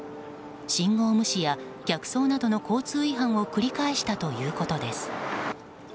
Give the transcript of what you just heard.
信号無視や逆走などの交通違反を繰り返したということです。